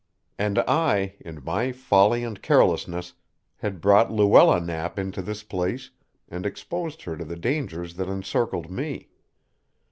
And I, in my folly and carelessness, had brought Luella Knapp into this place and exposed her to the dangers that encircled me.